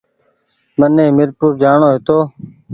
مني ميرپور جآڻو هيتو